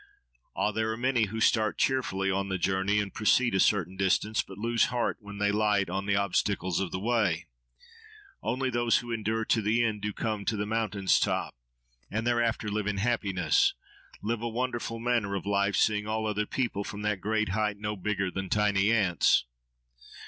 —Ah! there are many who start cheerfully on the journey and proceed a certain distance, but lose heart when they light on the obstacles of the way. Only, those who endure to the end do come to the mountain's top, and thereafter live in Happiness:—live a wonderful manner of life, seeing all other people from that great height no bigger than tiny ants.